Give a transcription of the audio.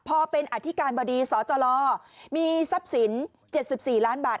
พอเป็นอธิการบดีสจมีทรัพย์สิน๗๔ล้านบาท